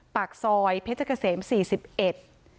ปากซอยเพชรเกษม๔๑